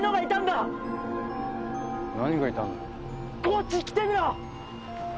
こっち来てみろ！